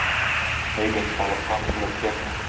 Әйдә, халыкка хезмәткә!